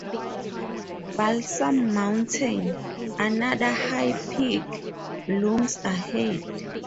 Balsam Mountain, another High Peak, looms ahead.